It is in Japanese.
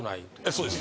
そうです。